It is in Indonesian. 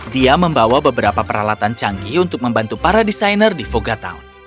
dia membawa beberapa peralatan canggih untuk membantu para desainer di fogatown